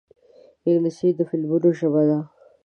انګلیسي د فلمونو ژبه ده